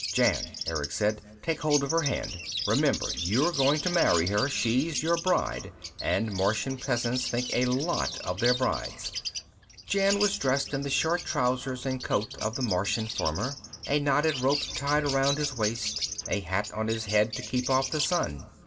"Jan," Erick said. "Take hold of her hand! Remember, you're going to marry her; she's your bride. And Martian peasants think a lot of their brides." Jan was dressed in the short trousers and coat of the Martian farmer, a knotted rope tied around his waist, a hat on his head to keep off the sun.